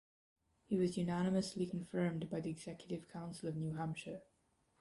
He was unanimously confirmed by the Executive Council of New Hampshire.